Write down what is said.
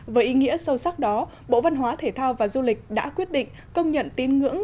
với ý nghĩa sâu sắc đó bộ văn hóa thể thao và du lịch đã quyết định công nhận tín ngưỡng